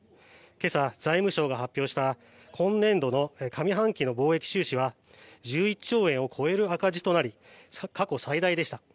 今朝、財務省が発表した今年度の上半期の貿易収支は１１兆円を超える赤字となり過去最大でした。